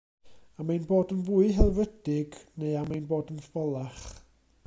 Am ein bod yn fwy haelfrydig, neu am ein bod yn ffolach?